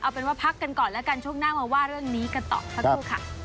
เอาเป็นว่าพักกันก่อนแล้วกันช่วงหน้ามาว่าเรื่องนี้กันต่อสักครู่ค่ะ